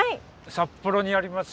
札幌にあります